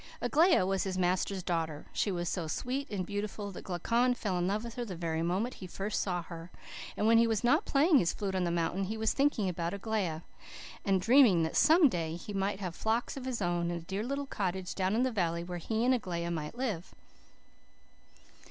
"Aglaia was his master's daughter. She was so sweet and beautiful that Glaucon fell in love with her the very moment he first saw her; and when he was not playing his flute on the mountain he was thinking about Aglaia, and dreaming that some day he might have flocks of his own, and a dear little cottage down in the valley where he and Aglaia might live.